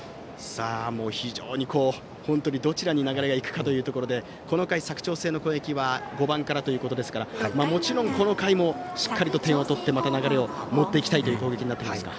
非常にどちらに流れがいくかというところでこの回、佐久長聖の攻撃は５番からということですからもちろん、この回もしっかり点を取ってまた流れを持っていきたいという攻撃になってきますか。